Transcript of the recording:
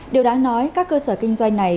điều đáng nói các cơ sở kinh doanh này